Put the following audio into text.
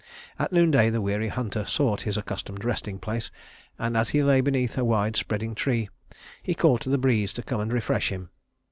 At noonday the weary hunter sought his accustomed resting place; and as he lay beneath a wide spreading tree, he called to the breeze to come and refresh him.